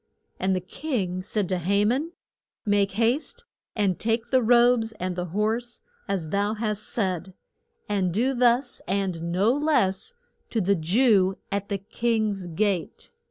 And the king said to Ha man, Make haste and take the robes and the horse as thou hast said, and do thus and no less to the Jew at the king's gate.